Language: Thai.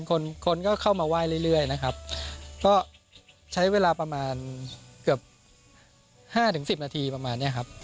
คนคนก็เข้ามาไหว้เรื่อยนะครับก็ใช้เวลาประมาณเกือบห้าถึงสิบนาทีประมาณเนี้ยครับ